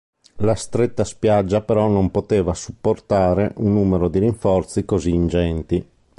La stretta spiaggia però non poteva supportare un numero di rinforzi così ingenti.